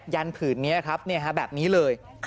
ยันผืนนี้ครับแบบนี้เลย